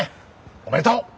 おめでとう！